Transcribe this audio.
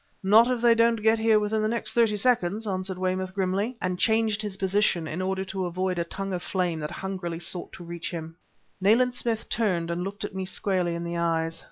"Not if they don't get here within the next thirty seconds!" answered Weymouth grimly and changed his position, in order to avoid a tongue of flame that hungrily sought to reach him. Nayland Smith turned and looked me squarely in the eyes.